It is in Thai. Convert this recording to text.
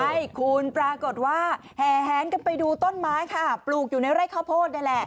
ใช่คุณปรากฏว่าแห่แหนกันไปดูต้นไม้ค่ะปลูกอยู่ในไร่ข้าวโพดนี่แหละ